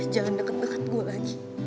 jangan deket deket gue lagi